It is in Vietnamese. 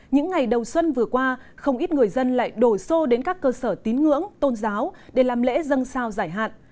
những ngày đầu xuân vừa qua không ít người dân lại đổ xô đến các cơ sở tín ngưỡng tôn giáo để làm lễ dân sao giải hạn